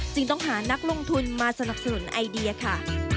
ต้องหานักลงทุนมาสนับสนุนไอเดียค่ะ